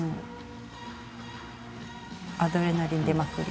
アドレナリン出まくり。